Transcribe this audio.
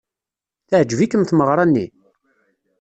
Teɛjeb-ikem tmeɣra-nni?